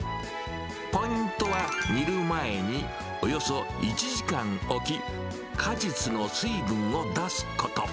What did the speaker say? ポイントは煮る前におよそ１時間置き、果実の水分を出すこと。